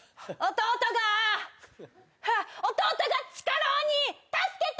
弟が地下ろうに助けて！